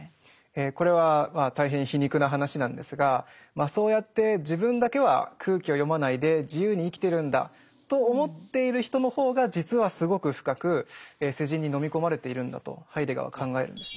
えこれは大変皮肉な話なんですがそうやって自分だけは空気を読まないで自由に生きてるんだと思っている人の方が実はすごく深く世人に飲み込まれているんだとハイデガーは考えるんですね。